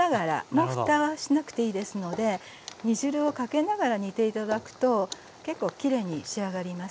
もうふたはしなくていいですので煮汁をかけながら煮て頂くと結構きれいに仕上がります。